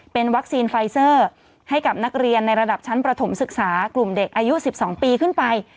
เป็นวัคซีนไฟเซอร์ให้กับนักเรียนในระดับชั้นประถมศึกษากลุ่มเด็กอายุ๑๒ปีขึ้นไป